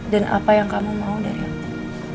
dan apa yang kamu mau dari aku